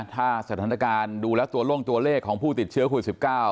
ถ้าสถานการณ์ดูแล้วตัวโล่งตัวเลขของผู้ติดเชื้อโควิด๑๙